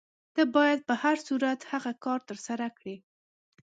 ته باید په هر صورت هغه کار ترسره کړې.